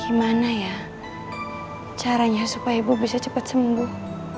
gimana ya caranya supaya ibu bisa cepat sembuh